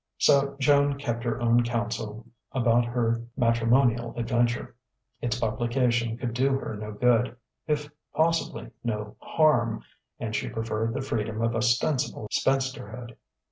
So Joan kept her own counsel about her matrimonial adventure: its publication could do her no good, if possibly no harm; and she preferred the freedom of ostensible spinsterhood.